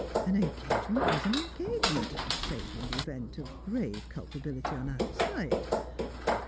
An engagement was an engagement, save in the event of grave culpability on either side.